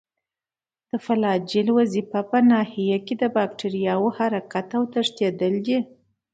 د فلاجیل وظیفه په ناحیه کې د باکتریاوو حرکت او نښلیدل دي.